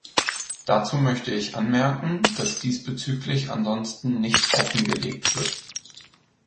Dazu möchte ich anmerken, dass diesbezüglich ansonsten nichts offengelegt wird.